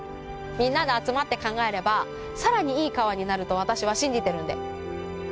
みんなが集まって考えればさらにいい川になると私は信じてるんで。